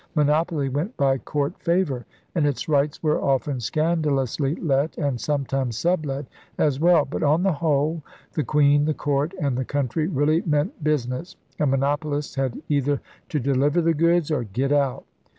Monopoly went by court favor, and its rights were often scandalously let and sometimes sublet as well. But, on the whole, the Queen, the court, and the country really meant business, and mo nopolists had either to deliver the goods or get out.